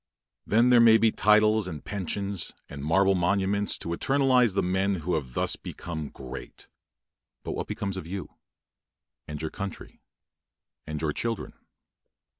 Then there may be titles, and pensions, and marble monuments to eternize the men who have thus become great; but what becomes of you, and your country, and your children?